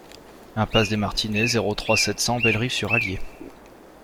Impasse des Martinets, zéro trois, sept cents Bellerive-sur-Allier